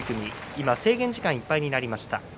今制限時間いっぱいになりました。